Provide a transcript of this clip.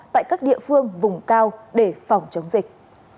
tại các địa phương vùng cao để phòng chống dịch